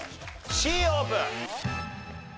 Ｃオープン。